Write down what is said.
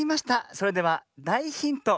それではだいヒント